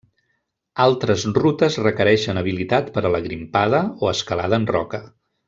Altres rutes requereixen habilitat per a la grimpada o escalada en roca.